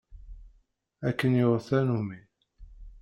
Akken yuɣ tanumi.